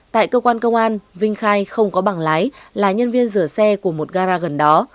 tại cơ quan công an vinh khai không có bảng lái là nhân viên rửa xe của một gara gần đó